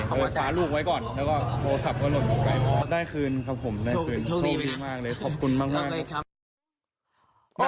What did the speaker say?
ก็พาลูกไว้ก่อนแล้วก็โทรศัพท์ก็หล่นไป